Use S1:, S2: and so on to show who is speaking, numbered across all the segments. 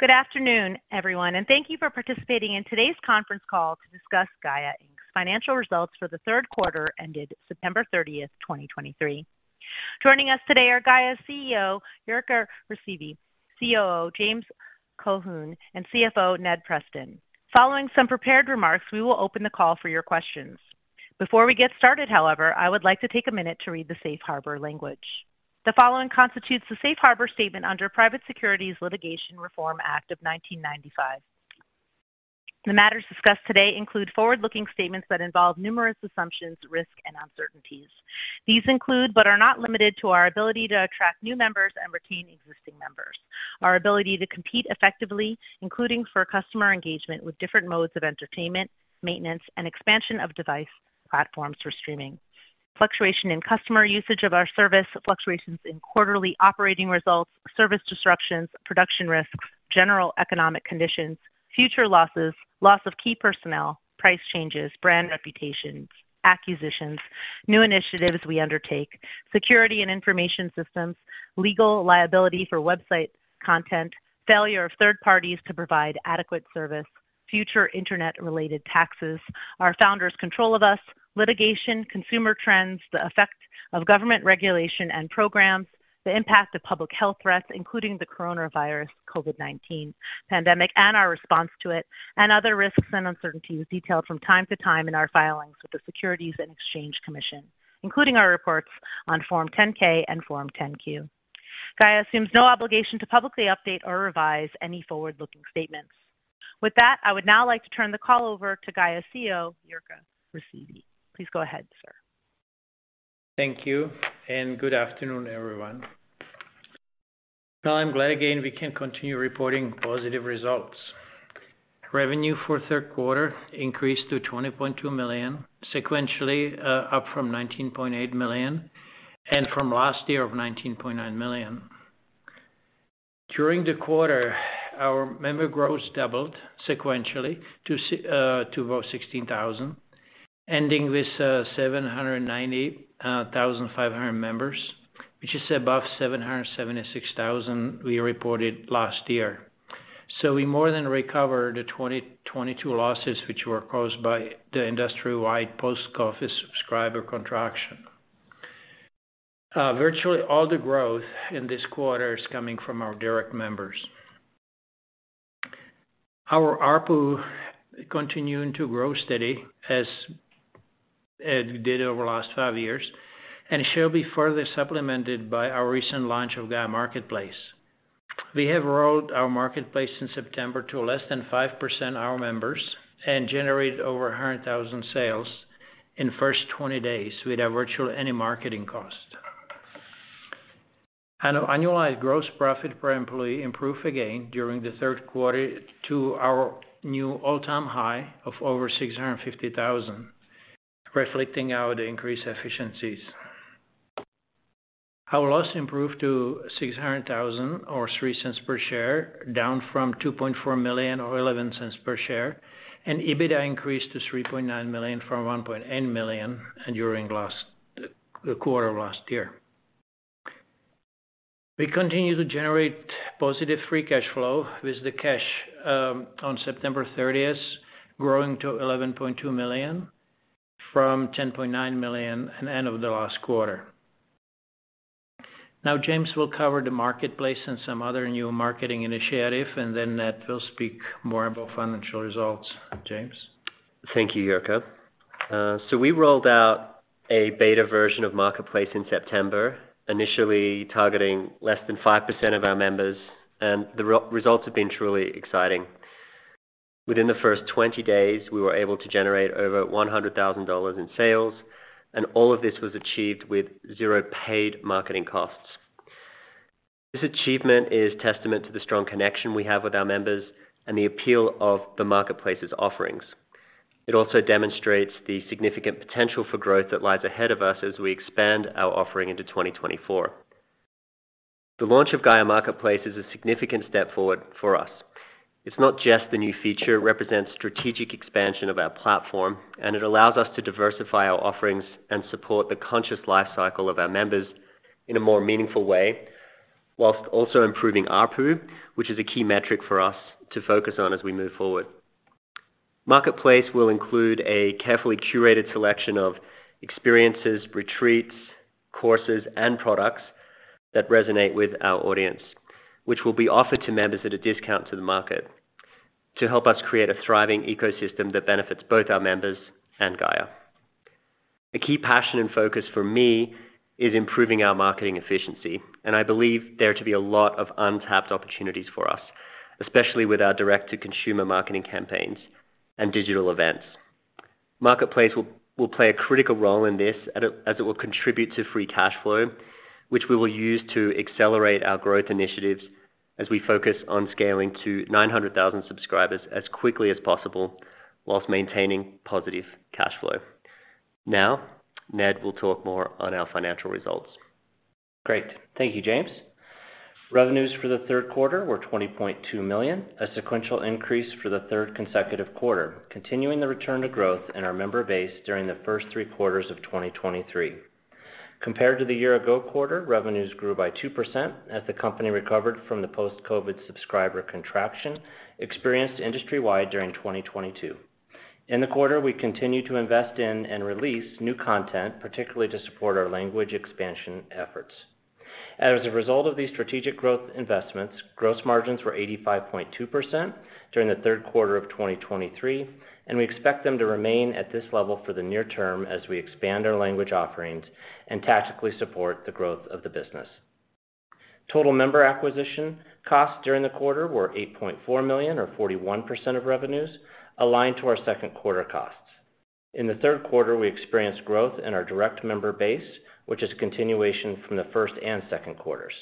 S1: Good afternoon everyone and thank you for participating in today's conference call to discuss Gaia Inc.'s financial results for the third quarter ended September 30, 2023. Joining us today are Gaia's CEO, Jirka Rysavy, COO, James Colquhoun, and CFO, Ned Preston. Following some prepared remarks, we will open the call for your questions. Before we get started, however, I would like to take a minute to read the Safe Harbor language. The following constitutes the Safe Harbor statement under Private Securities Litigation Reform Act of 1995. The matters discussed today include forward-looking statements that involve numerous assumptions, risks, and uncertainties. These include but are not limited to, our ability to attract new members and retain existing members, our ability to compete effectively, including for customer engagement with different modes of entertainment, maintenance, and expansion of device platforms for streaming, fluctuation in customer usage of our service, fluctuations in quarterly operating results, service disruptions, production risks, general economic conditions, future losses, loss of key personnel, price changes, brand reputations, acquisitions, new initiatives we undertake, security and information systems, legal liability for website content. Failure of third parties to provide adequate service, future internet-related taxes, our founders' control of us, litigation, consumer trends, the effect of government regulation and programs, the impact of public health threats, including the coronavirus COVID-19 pandemic and our response to it, and other risks and uncertainties detailed from time to time in our filings with the Securities and Exchange Commission, including our reports on Form 10-K and Form 10-Q. Gaia assumes no obligation to publicly update or revise any forward-looking statements. With that, I would now like to turn the call over to Gaia CEO, Jirka Rysavy. Please go ahead, sir.
S2: Thank you and good afternoon, everyone. I'm glad again, we can continue reporting positive results. Revenue for the third quarter increased to $20.2 million, sequentially, up from $19.8 million and from last year of $19.9 million. During the quarter, our member growth doubled sequentially to about 16,000, ending with 798,500 members, which is above 776,000 we reported last year. So we more than recovered the 2022 losses which were caused by the industry-wide post-COVID subscriber contraction. Virtually all the growth in this quarter is coming from our direct members. Our ARPU continuing to grow steady, as it did over the last five years, and shall be further supplemented by our recent launch of Gaia Marketplace. We have rolled our Marketplace in September to less than 5% our members and generated over 100,000 sales in the first 20 days without virtually any marketing cost. Annualized gross profit per employee improved again during the third quarter to our new all-time high of over $650,000, reflecting our increased efficiencies. Our loss improved to $600,000 or $0.03 per share, down from $2.4 million or $0.11 per share, and EBITDA increased to $3.9 million from $1.8 million during the quarter of last year. We continue to generate positive free cash flow with the cash on September 30 growing to $11.2 million from $10.9 million at the end of the last quarter. Now, James will cover the Marketplace and some other new marketing initiatives, and then Ned will speak more about financial results. James?
S3: Thank you, Jirka. So we rolled out a beta version of Marketplace in September, initially targeting less than 5% of our members, and the results have been truly exciting. Within the first 20 days, we were able to generate over $100,000 in sales, and all of this was achieved with zero paid marketing costs. This achievement is testament to the strong connection we have with our members and the appeal of the Marketplace's offerings. It also demonstrates the significant potential for growth that lies ahead of us as we expand our offering into 2024. The launch of Gaia Marketplace is a significant step forward for us. It's not just the new feature, it represents strategic expansion of our platform, and it allows us to diversify our offerings and support the conscious life cycle of our members in a more meaningful way, while also improving ARPU, which is a key metric for us to focus on as we move forward. Marketplace will include a carefully curated selection of experiences, retreats, courses, and products that resonate with our audience, which will be offered to members at a discount to the market, to help us create a thriving ecosystem that benefits both our members and Gaia. A key passion and focus for me is improving our marketing efficiency, and I believe there to be a lot of untapped opportunities for us, especially with our direct-to-consumer marketing campaigns and digital events. Marketplace will play a critical role in this, as it will contribute to free cash flow, which we will use to accelerate our growth initiatives as we focus on scaling to 900,000 subscribers as quickly as possible, while maintaining positive cash flow. Now, Ned will talk more on our financial results.
S4: Great. Thank you, James. Revenues for the third quarter were $20.2 million, a sequential increase for the third consecutive quarter, continuing the return to growth in our member base during the first three quarters of 2023. Compared to the year ago quarter, revenues grew by 2% as the company recovered from the post-COVID subscriber contraction, experienced industry-wide during 2022. In the quarter, we continued to invest in and release new content, particularly to support our language expansion efforts. As a result of these strategic growth investments, gross margins were 85.2% during the third quarter of 2023, and we expect them to remain at this level for the near term as we expand our language offerings and tactically support the growth of the business. Total member acquisition costs during the quarter were $8.4 million, or 41% of revenues, aligned to our second quarter costs. In the third quarter, we experienced growth in our direct member base, which is a continuation from the first and second quarters.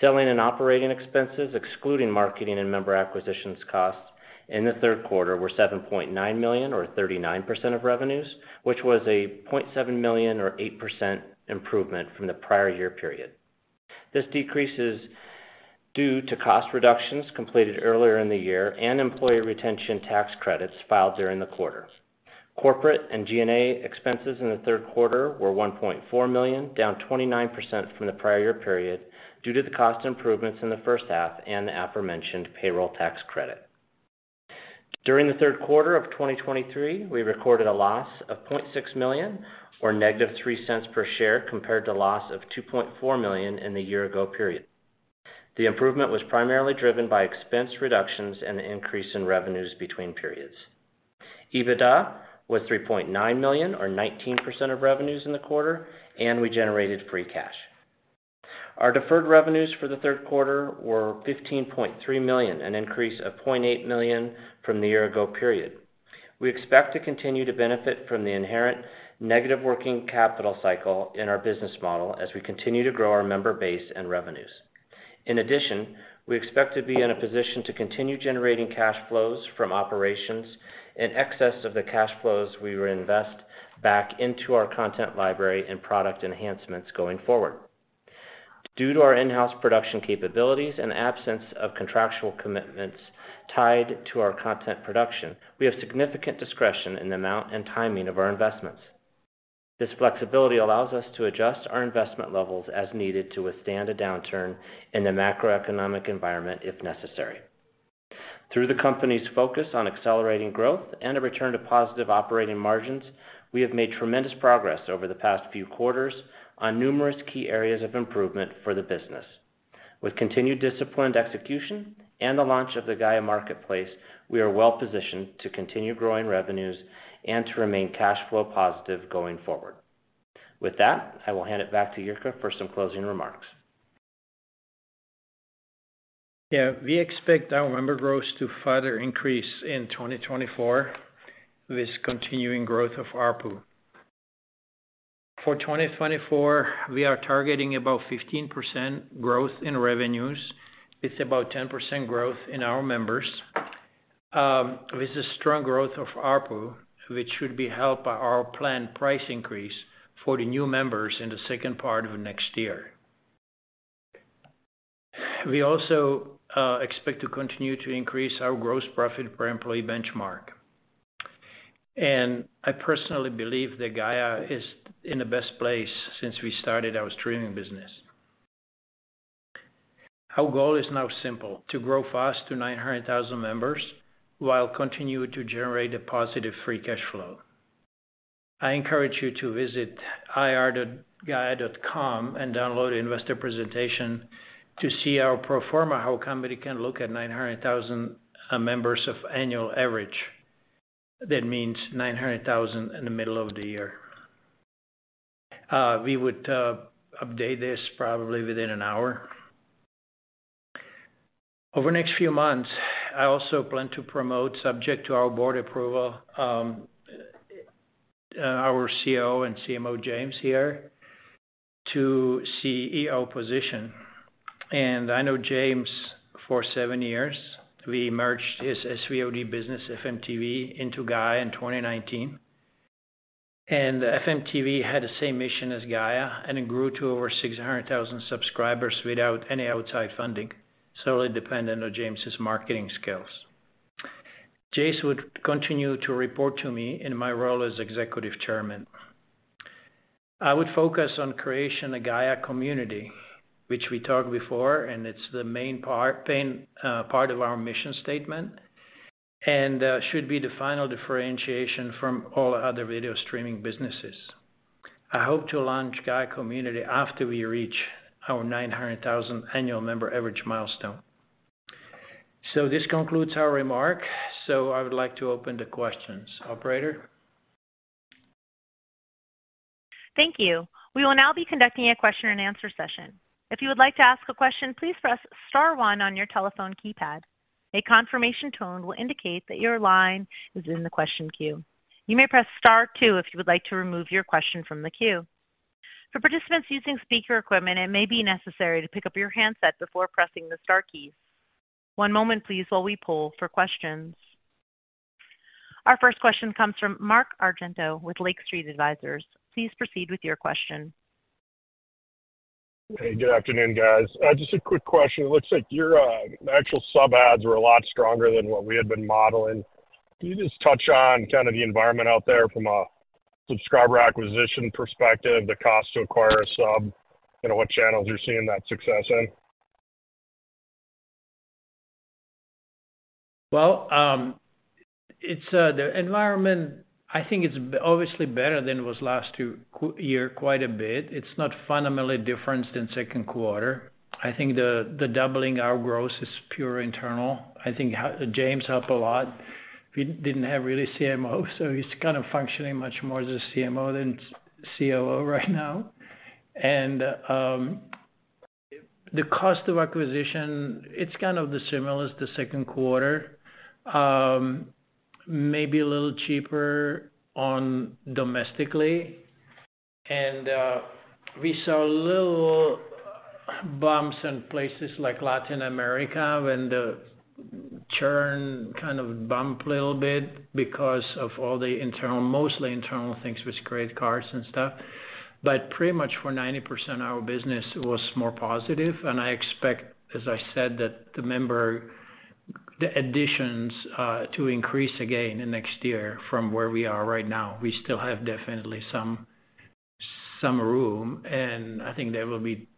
S4: Selling and operating expenses, excluding marketing and member acquisitions costs in the third quarter, were $7.9 million or 39% of revenues, which was a $0.7 million or 8% improvement from the prior year period. This decrease is due to cost reductions completed earlier in the year and employee retention tax credits filed during the quarter. Corporate and G&A expenses in the third quarter were $1.4 million, down 29% from the prior year period, due to the cost improvements in the first half and the aforementioned payroll tax credit. During the third quarter of 2023, we recorded a loss of $0.6 million, or -$0.03 per share, compared to loss of $2.4 million in the year-ago period. The improvement was primarily driven by expense reductions and an increase in revenues between periods. EBITDA was $3.9 million or 19% of revenues in the quarter, and we generated free cash. Our deferred revenues for the third quarter were $15.3 million, an increase of $0.8 million from the year-ago period. We expect to continue to benefit from the inherent negative working capital cycle in our business model as we continue to grow our member base and revenues. In addition, we expect to be in a position to continue generating cash flows from operations in excess of the cash flows we will invest back into our content library and product enhancements going forward. Due to our in-house production capabilities and absence of contractual commitments tied to our content production, we have significant discretion in the amount and timing of our investments. This flexibility allows us to adjust our investment levels as needed to withstand a downturn in the macroeconomic environment, if necessary. Through the company's focus on accelerating growth and a return to positive operating margins, we have made tremendous progress over the past few quarters on numerous key areas of improvement for the business. With continued disciplined execution and the launch of the Gaia Marketplace, we are well positioned to continue growing revenues and to remain cash flow positive going forward. With that, I will hand it back to Jirka for some closing remarks.
S2: Yeah, we expect our member growth to further increase in 2024, with continuing growth of ARPU. For 2024, we are targeting about 15% growth in revenues, with about 10% growth in our members, with the strong growth of ARPU which should be helped by our planned price increase for the new members in the second part of next year. We also expect to continue to increase our gross profit per employee benchmark. And I personally believe that Gaia is in the best place since we started our streaming business. Our goal is now simple: to grow fast to 900,000 members while continuing to generate a positive free cash flow. I encourage you to visit ir.gaia.com and download the investor presentation to see our pro forma, how company can look at 900,000 members of annual average. That means 900,000 in the middle of the year. We would update this probably within an hour. Over the next few months, I also plan to promote, subject to our board approval, our CEO and CMO, James here, to CEO position. And I know James for seven years. We merged his SVOD business, FMTV, into Gaia in 2019, and FMTV had the same mission as Gaia, and it grew to over 600,000 subscribers without any outside funding, solely dependent on James' marketing skills. James would continue to report to me in my role as Executive Chairman. I would focus on creation of Gaia community, which we talked before, and it's the main part, main part of our mission statement, and should be the final differentiation from all other video streaming businesses. I hope to launch Gaia community after we reach our 900,000 annual member average milestone. This concludes our remark. I would like to open the questions. Operator?
S1: Thank you. We will now be conducting a question-and-answer session. If you would like to ask a question, please press star one on your telephone keypad. A confirmation tone will indicate that your line is in the question queue. You may press Star two if you would like to remove your question from the queue. For participants using speaker equipment, it may be necessary to pick up your handset before pressing the star keys. One moment, please, while we poll for questions. Our first question comes from Mark Argento with Lake Street Capital Markets. Please proceed with your question.
S5: Hey, good afternoon guys. Just a quick question. It looks like your actual sub adds were a lot stronger than what we had been modeling. Can you just touch on kind of the environment out there from a subscriber acquisition perspective, the cost to acquire a sub, you know, what channels you're seeing that success in?
S2: Well, it's the environment. I think it's obviously better than it was last two year, quite a bit. It's not fundamentally different than second quarter. I think the doubling our growth is pure internal. I think James helped a lot. We didn't have really CMO, so he's kind of functioning much more as a CMO than COO right now. And the cost of acquisition, it's kind of similar as the second quarter, maybe a little cheaper domestically, and we saw little bumps in places like Latin America, when the churn kind of bumped a little bit because of all the internal, mostly internal things with credit cards and stuff. But pretty much for 90% of our business, it was more positive. And I expect, as I said, that the member - The additions to increase again in next year from where we are right now. We still have definitely some room, and I think that will be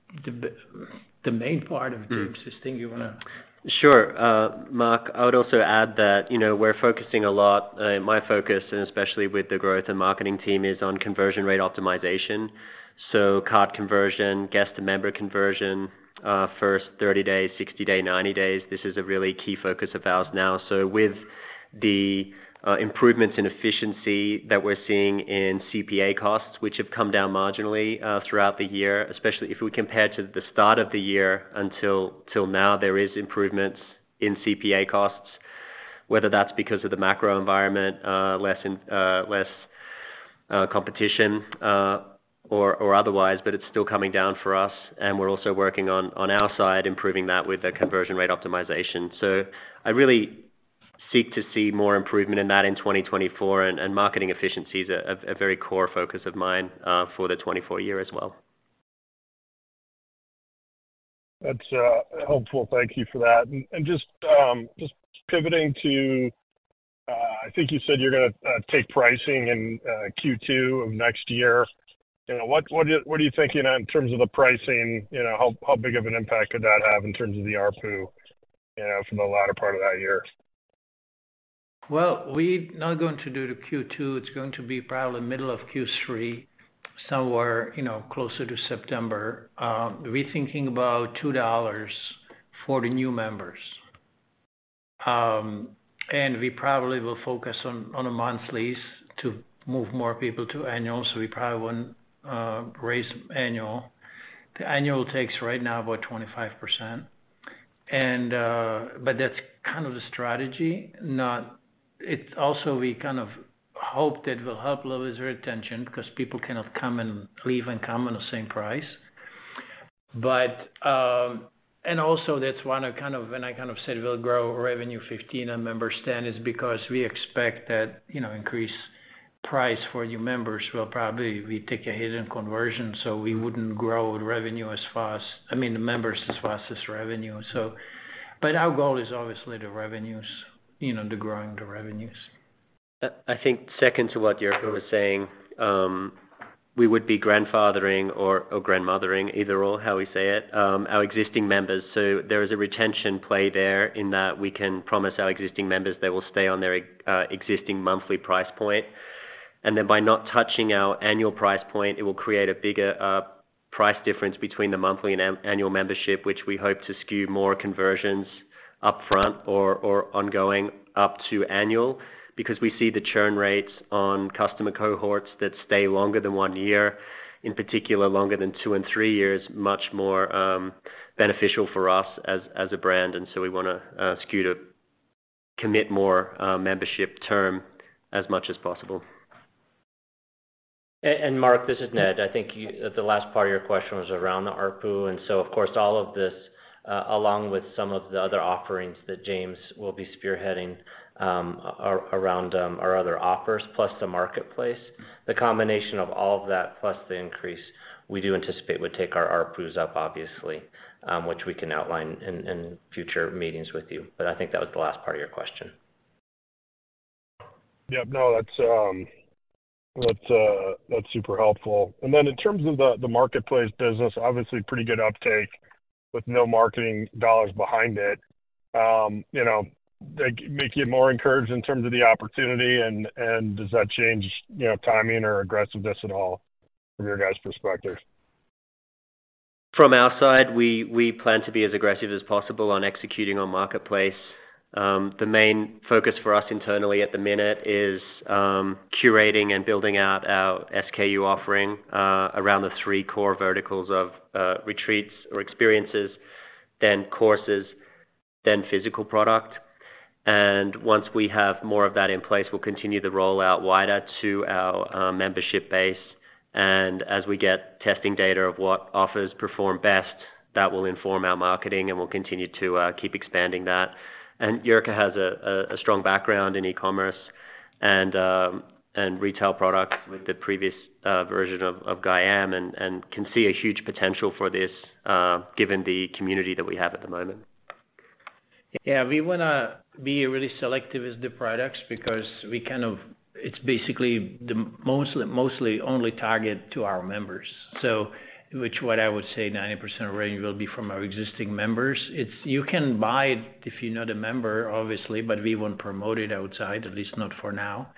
S2: the main part of James's thing you wanna -
S3: Sure. Mark I would also add that, you know, we're focusing a lot, my focus and especially with the growth and marketing team, is on conversion rate optimization. So card conversion, guest to member conversion, first 30 days, 60 days, 90 days, this is a really key focus of ours now. So with the improvements in efficiency that we're seeing in CPA costs, which have come down marginally throughout the year, especially if we compare to the start of the year until till now, there is improvements in CPA costs, whether that's because of the macro environment, less competition, or otherwise, but it's still coming down for us, and we're also working on our side, improving that with a conversion rate optimization. So I really seek to see more improvement in that in 2024, and marketing efficiency is a very core focus of mine for the 2024 year as well.
S5: That's helpful. Thank you for that. Just pivoting to, I think you said you're gonna take pricing in Q2 of next year. You know, what are you thinking in terms of the pricing? You know how big of an impact could that have in terms of the ARPU for the latter part of that year?
S2: Well, we're not going to do the Q2. It's going to be probably middle of Q3, somewhere, you know, closer to September. We're thinking about $2 for the new members. And we probably will focus on a month lease to move more people to annual, so we probably wouldn't raise annual. The annual takes right now about 25%. And but that's kind of the strategy, not - it's also, we kind of hope that will help lower his retention because people cannot come and leave and come on the same price. Also that's one I kind of - when I kind of said we'll grow revenue 15 a member spend, is because we expect that you know, increase price for new members will probably take a hit in conversion, so we wouldn't grow revenue as fast, I mean the members as fast as revenue. But our goal is obviously the revenues, you know, the growing the revenues.
S3: I think second to what Jirka was saying, we would be grandfathering or grandmothering, either or how we say it, our existing members. So there is a retention play there in that we can promise our existing members they will stay on their existing monthly price point. And then by not touching our annual price point, it will create a bigger price difference between the monthly and annual membership, which we hope to skew more conversions upfront or ongoing up to annual. Because we see the churn rates on customer cohorts that stay longer than one year, in particular, longer than two and three years, much more beneficial for us as a brand, and so we wanna skew to commit more membership term as much as possible.
S4: Mark, this is Ned. I think the last part of your question was around the ARPU, and so of course, all of this, along with some of the other offerings that James will be spearheading, around our other offers, plus the marketplace. The combination of all of that, plus the increase, we do anticipate would take our ARPUs up, obviously, which we can outline in future meetings with you. But I think that was the last part of your question.
S5: Yep. No, that's super helpful. And then in terms of the marketplace business, obviously pretty good uptake with no marketing dollars behind it. You know, does that make you more encouraged in terms of the opportunity, and does that change, you know, timing or aggressiveness at all from your guys' perspective?
S3: From our side, we plan to be as aggressive as possible on executing on Marketplace. The main focus for us internally at the minute is curating and building out our SKU offering around the three core verticals of retreats or experiences, then courses, then physical product. And once we have more of that in place, we'll continue to roll out wider to our membership base. And as we get testing data of what offers perform best. That will inform our marketing, and we'll continue to keep expanding that. And Jirka has a strong background in e-commerce and retail products with the previous version of Gaia, and can see a huge potential for this, given the community that we have at the moment.
S2: Yeah, we wanna be really selective with the products because we kind of, it's basically the mostly, mostly only target to our members. So which what I would say 90% of revenue will be from our existing members. It's, you can buy it if you're not a member, obviously, but we won't promote it outside, at least not for now.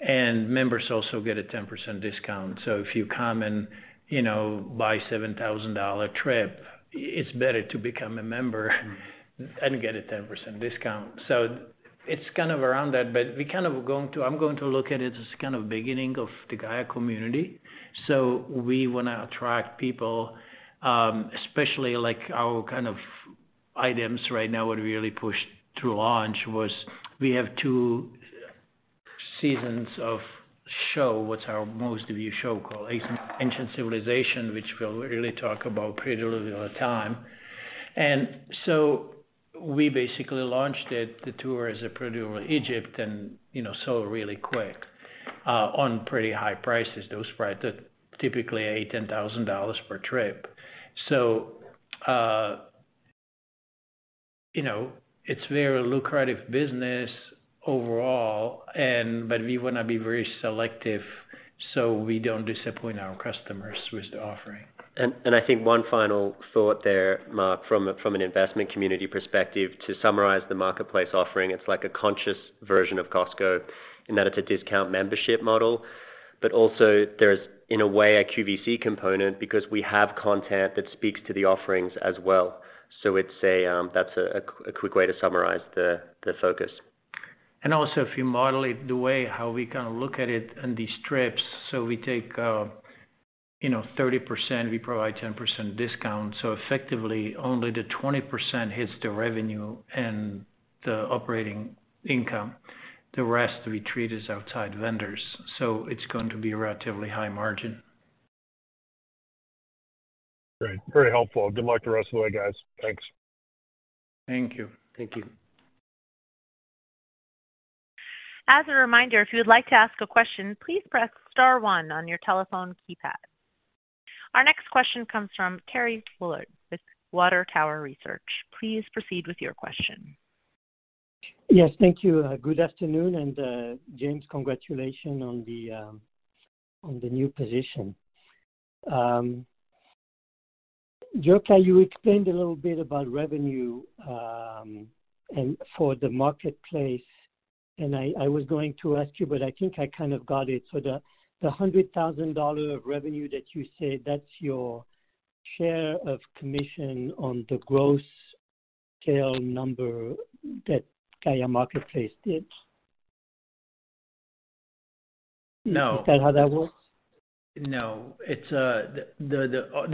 S2: And members also get a 10% discount. So if you come and, you know, buy $7,000 trip, it's better to become a member and get a 10% discount. So it's kind of around that, but we kind of going to - I'm going to look at it as kind of beginning of the Gaia community. So we wanna attract people, especially like our kind of items right now, what we really pushed to launch was we have two seasons of show, what's our most viewed show called, Ancient Civilizations, which will really talk about prediluvial time. And so we basically launched it, the tour as a prediluvial Egypt and, you know sold really quick, on pretty high prices. Those prices are typically $8,000-$10,000 per trip. So, you know it's very lucrative business overall, but we wanna be very selective so we don't disappoint our customers with the offering.
S3: I think one final thought there Mark, from an investment community perspective, to summarize the marketplace offering, it's like a conscious version of Costco in that it's a discount membership model. But also there's, in a way, a QVC component because we have content that speaks to the offerings as well. So that's a quick way to summarize the focus.
S2: And also, if you model it, the way how we kinda look at it on these trips, so we take, you know, 30%, we provide 10% discount. So effectively, only the 20% hits the revenue and the operating income. The rest, we treat as outside vendors, so it's going to be relatively high margin.
S5: Great. Very helpful. Good luck the rest of the way, guys. Thanks.
S2: Thank you.
S3: Thank you.
S1: As a reminder, if you would like to ask a question, please press star one on your telephone keypad. Our next question comes from Thierry Wuilloud with Water Tower Research. Please proceed with your question.
S6: Yes, thank you. Good afternoon, and James, congratulations on the new position. Jirka, you explained a little bit about revenue and for the marketplace, and I was going to ask you, but I think I kind of got it. So the $100,000 of revenue that you said, that's your share of commission on the gross sales number that Gaia Marketplace did?
S2: No.
S6: Is that how that works?
S2: No. It's the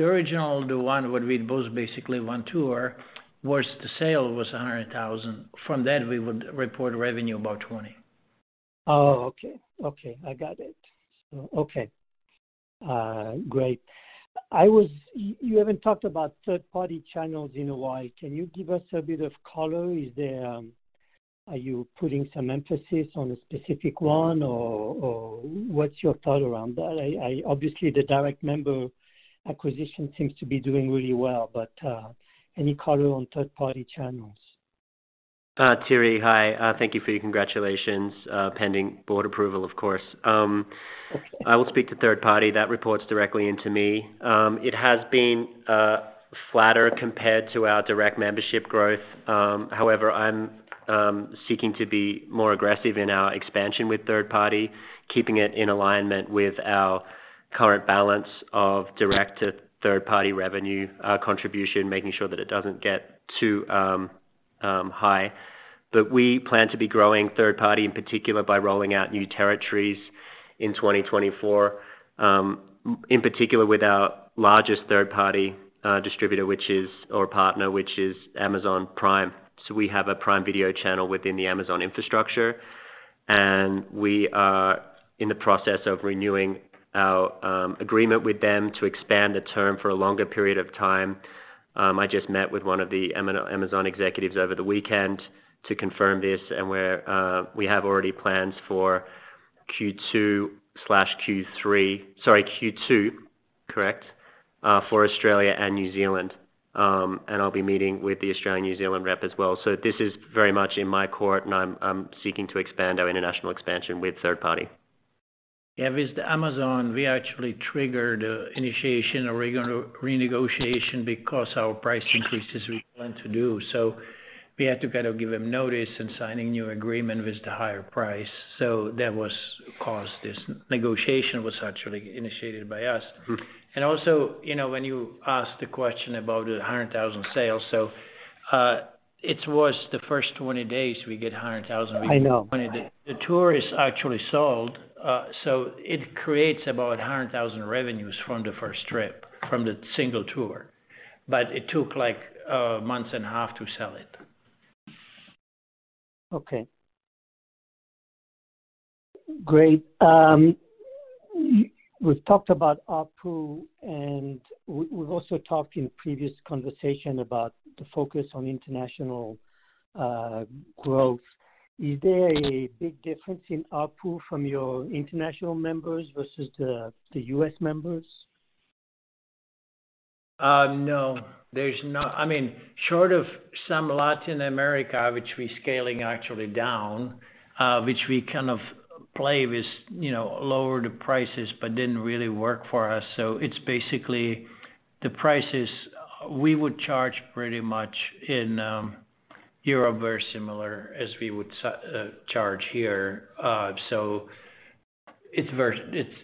S2: original, the one what we boost, basically one tour, the sale was $100,000. From that, we would report revenue about $20.
S6: Oh, okay. Okay, I got it. So, okay. Great. You haven't talked about third-party channels in a while. Can you give us a bit of color? Is there, are you putting some emphasis on a specific one, or, or what's your thought around that? Obviously, the direct member acquisition seems to be doing really well, but, any color on third-party channels?
S3: Thierry, hi. Thank you for your congratulations, pending board approval of course.
S6: Okay.
S3: I will speak to third party that reports directly into me. It has been flatter compared to our direct membership growth. However, I'm seeking to be more aggressive in our expansion with third party, keeping it in alignment with our current balance of direct to third-party revenue contribution, making sure that it doesn't get too high. But we plan to be growing third party, in particular, by rolling out new territories in 2024, in particular, with our largest third-party distributor, which is, or partner, which is Amazon Prime. So we have a Prime Video channel within the Amazon infrastructure, and we are in the process of renewing our agreement with them to expand the term for a longer period of time. I just met with one of the Amazon executives over the weekend to confirm this, and we have already plans for Q2/Q3, sorry, Q2, correct, for Australia and New Zealand. And I'll be meeting with the Australian, New Zealand rep as well. So this is very much in my court, and I'm seeking to expand our international expansion with third party.
S2: Yeah, with Amazon, we actually triggered initiation or regular renegotiation because our price increases we want to do. So we had to kind of give them notice and signing a new agreement with the higher price. So that was caused this negotiation was actually initiated by us.
S3: Mm-hmm.
S2: And also, you know, when you asked the question about the 100,000 sales, so it was the first 20 days we get 100,000 -
S6: I know.
S2: The tour is actually sold, so it creates about $100,000 revenues from the first trip, from the single tour. But it took, like, a month and a half to sell it.
S6: Okay. Great. We've talked about ARPU, and we've also talked in previous conversation about the focus on international growth. Is there a big difference in ARPU from your international members versus the U.S. members?
S2: No, there's not. I mean, short of some Latin America, which we're scaling actually down, which we kind of play with, you know, lower the prices, but didn't really work for us. So it's basically the prices we would charge pretty much in Europe, very similar as we would charge here. So it's very, it's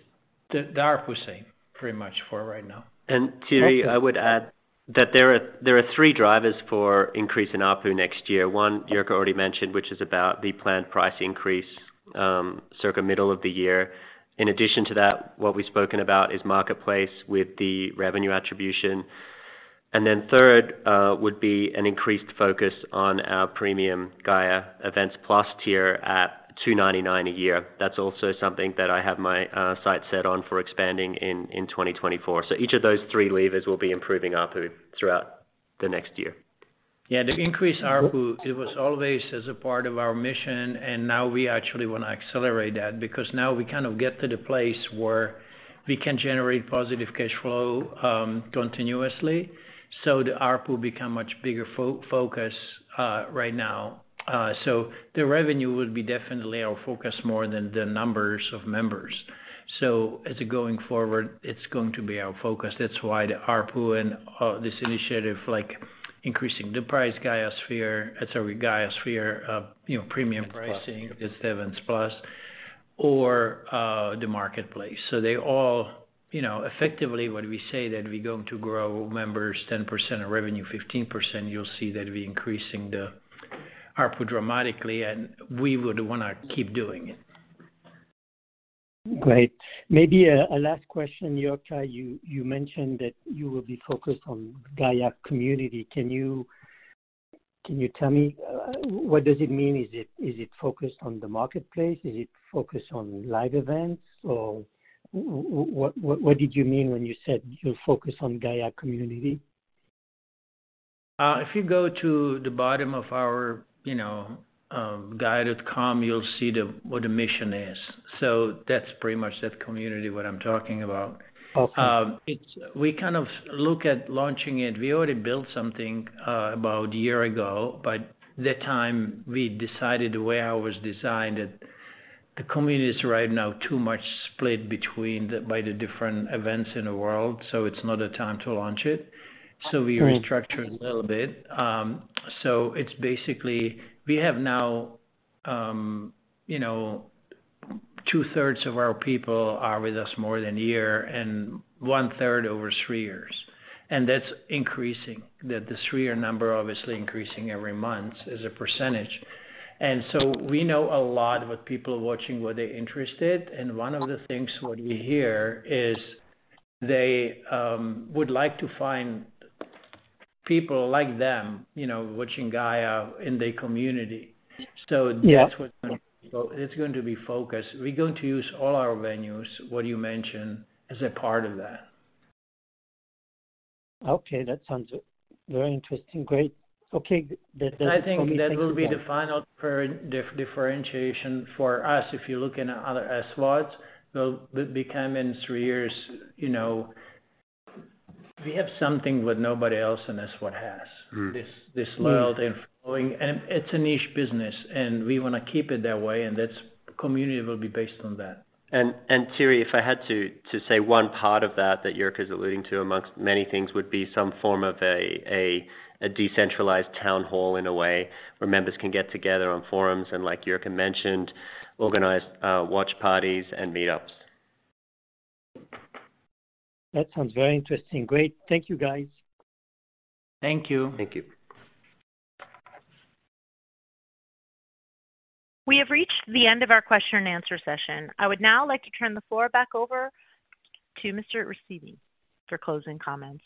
S2: the - the ARPU same, pretty much for right now.
S3: And Thierry, I would add that there are three drivers for increase in ARPU next year. One, Jirka already mentioned, which is about the planned price increase, circa middle of the year. In addition to that, what we've spoken about is marketplace with the revenue attribution. And then third, would be an increased focus on our premium Gaia Events+ tier at $299 a year. That's also something that I have my sights set on for expanding in 2024. So each of those three levers will be improving ARPU throughout the next year.
S2: Yeah, the increased ARPU, it was always as a part of our mission, and now we actually wanna accelerate that, because now we kind of get to the place where we can generate positive cash flow continuously. So the ARPU become much bigger focus right now. So the revenue would be definitely our focus more than the numbers of members. So as we're going forward, it's going to be our focus. That's why the ARPU and this initiative, like increasing the price, GaiaSphere, sorry, GaiaSphere you know, premium pricing, the Events+ or, the Marketplace. You know, effectively, what we say that we're going to grow members 10% and revenue 15%, you'll see that we're increasing the ARPU dramatically, and we would wanna keep doing it.
S6: Great. Maybe a last question, Jirka. You mentioned that you will be focused on Gaia community. Can you tell me what does it mean? Is it focused on the marketplace? Is it focused on live events? Or what did you mean when you said you'll focus on Gaia community?
S2: If you go to the bottom of our, you know, Gaia.com, you'll see what the mission is. So that's pretty much that community, what I'm talking about.
S6: Okay.
S2: We kind of look at launching it. We already built something about a year ago, but the time we decided the way I was designed it, the community is right now too much split between the by the different events in the world, so it's not a time to launch it.
S6: Right.
S2: We restructure it a little bit. It's basically, we have now, you know, two-thirds of our people are with us more than a year and one-third over three years. That's increasing. The three-year number obviously increasing every month as a percentage. We know a lot of what people are watching, what they're interested, and one of the things what we hear is they would like to find people like them, you know, watching Gaia in their community.
S6: Yeah.
S2: That's what it's going to be focused. We're going to use all our venues, what you mentioned, as a part of that.
S6: Okay, that sounds very interesting. Great. Okay,
S2: I think that will be the final differentiation for us. If you look in other SVODs, they'll become in three years, you know - we have something that nobody else in SVOD has this, this loyalty and following, and it's a niche business and we wanna keep it that way, and this community will be based on that.
S3: Thierry, if I had to say one part of that Jirka is alluding to, among many things would be some form of a decentralized town hall in a way, where members can get together on forums and, like Jirka mentioned, organize watch parties and meetups.
S6: That sounds very interesting. Great. Thank you, guys.
S2: Thank you.
S3: Thank you.
S1: We have reached the end of our question and answer session. I would now like to turn the floor back over to Mr. Rysavy for closing comments.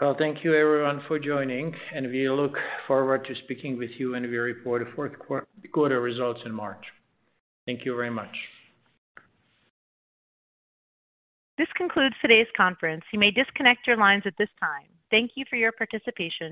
S2: Well, thank you everyone for joining, and we look forward to speaking with you when we report the fourth quarter results in March. Thank you very much.
S1: This concludes today's conference. You may disconnect your lines at this time. Thank you for your participation.